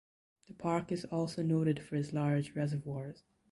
The park is also noted for its large reservoirs.